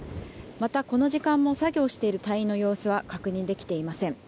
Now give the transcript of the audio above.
また、この時間も作業している隊員の様子は確認できていません。